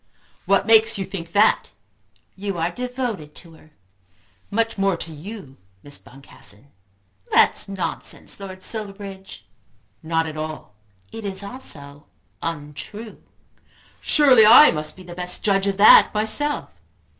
"What makes you think that?" "You are devoted to her." "Much more to you, Miss Boncassen." "That is nonsense, Lord Silverbridge." "Not at all." "It is also untrue." "Surely I must be the best judge of that myself."